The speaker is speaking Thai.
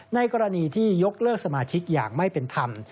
ในกรณีที่ยกเลิกสมาชิกอย่างไม่เป็นธรรม